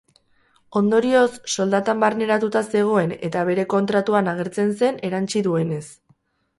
Ondorioz, soldatan barneratuta zegoen eta bere kontratuan agertzen zen, erantsi duenez.